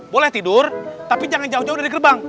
boleh tidur tapi jangan jauh jauh dari gerbang